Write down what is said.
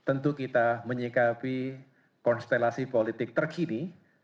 tentu kita menyikapi konstelasi politik terkini